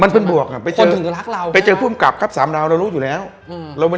มันเป็นบวกข้าไปเจอคนถึงจะรักเราไปเจอไปเจอภูมิกากครับ๓ดาวเรารู้อยู่แล้วมัน